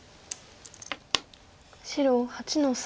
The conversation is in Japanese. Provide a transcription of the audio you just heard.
白８の三。